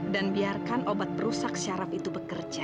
dan biarkan obat berusak syaraf itu bekerja